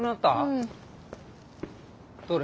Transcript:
うん。どれ？